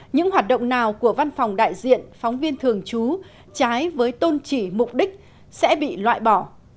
những hoạt động nào của văn phòng đại diện phóng viên thường trú trái với tôn trị mục đích sẽ bị loại bỏ